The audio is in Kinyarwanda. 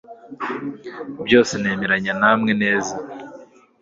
byose nemeranya namwe neza